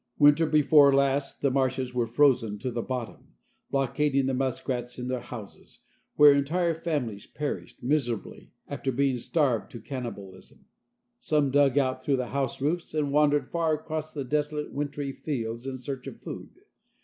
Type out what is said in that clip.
Winter before last the marshes were frozen to the bottom, blockading the muskrats in their houses, where entire families perished miserably after being starved to cannibalism. Some dug out through the house roofs, and wandered far across the desolate wintry fields in search of food.